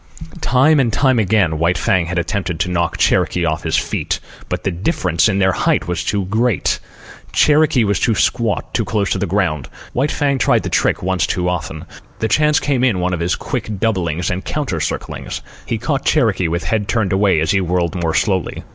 Time and again White Fang had attempted to knock Cherokee off his feet; but the difference in their height was too great. Cherokee was too squat, too close to the ground. White Fang tried the trick once too often. The chance came in one of his quick doublings and counter circlings. He caught Cherokee with head turned away as he whirled more slowly.